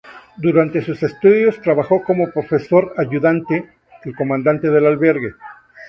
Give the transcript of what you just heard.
Durante sus estudios trabajó como profesor ayudante, el comandante del albergue.